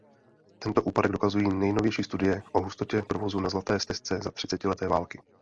Tento úpadek dokazují nejnovější studie o hustotě provozu na Zlaté stezce za třicetileté války.